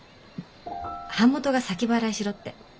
版元が先払いしろって。